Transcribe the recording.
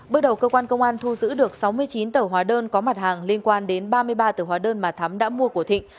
bước đầu cơ quan công an thu giữ được sáu mươi chín tờ hóa đơn có mặt hàng liên quan đến ba mươi ba tờ hóa đơn mà thắm đã mua của thịnh